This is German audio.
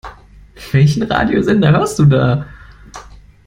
Welchen Radiosender hörst du da?